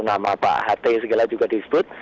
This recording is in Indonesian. nama pak ht segala juga disebut